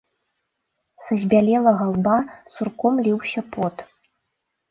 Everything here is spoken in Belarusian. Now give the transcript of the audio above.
Са збялелага лба цурком ліўся пот.